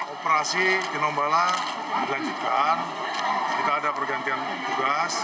operasi tinombala dilanjutkan kita ada pergantian tugas